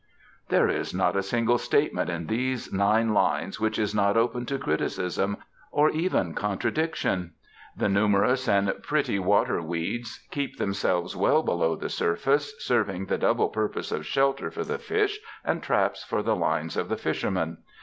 There is not a single statement in these nine lines which is not open to criticism, or even contradiction. The numerous and pretty water weeds keep themselves well below the surface, serving the double purpose of shelter for'the fish and traps for the lines of the fishermen.